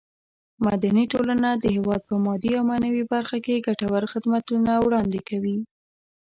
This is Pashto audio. مدني ټولنه د هېواد په مادي او معنوي برخه کې ګټور خدمتونه وړاندې کوي.